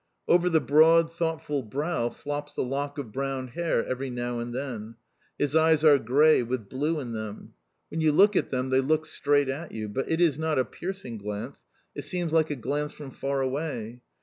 Over the broad, thoughtful brow flops a lock of brown hair every now and then. His eyes are grey with blue in them. When you look at them they look straight at you, but it is not a piercing glance. It seems like a glance from far away.